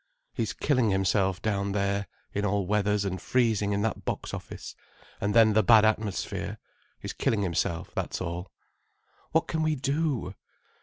"He's killing himself down there, in all weathers and freezing in that box office, and then the bad atmosphere. He's killing himself, that's all." "What can we do?"